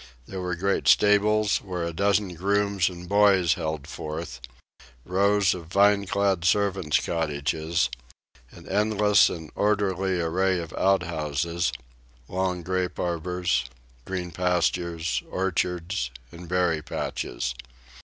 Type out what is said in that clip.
There were great stables, where a dozen grooms and boys held forth, rows of vine clad servants' cottages, an endless and orderly array of outhouses, long grape arbors, green pastures, orchards, and berry patches.